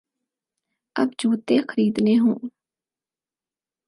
اب جوتے خریدنے ہوں۔